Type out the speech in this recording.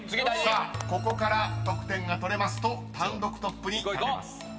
［ここから得点が取れますと単独トップに立てます］